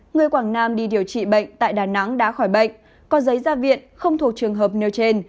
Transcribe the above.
người quảng nam đi điều trị bệnh tại đà nẵng đã khỏi bệnh có giấy ra viện không thuộc trường hợp nêu trên